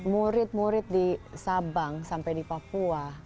murid murid di sabang sampai di papua